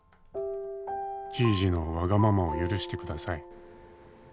「じいじのわがままを許してください」